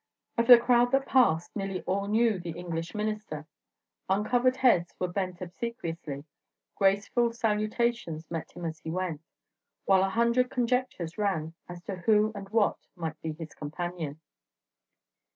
Of the crowd that passed, nearly all knew the English Minister. Uncovered heads were bent obsequiously; graceful salutations met him as he went; while a hundred conjectures ran as to who and what might be his companion.